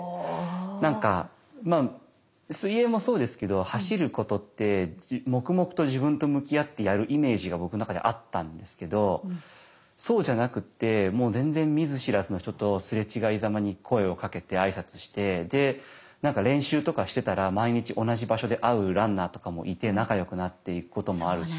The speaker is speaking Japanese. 何か水泳もそうですけど走ることって黙々と自分と向き合ってやるイメージが僕の中であったんですけどそうじゃなくってもう全然見ず知らずの人とすれ違いざまに声をかけて挨拶してで何か練習とかしてたら毎日同じ場所で会うランナーとかもいて仲よくなっていくこともあるし。